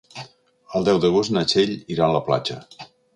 El deu d'agost na Txell irà a la platja.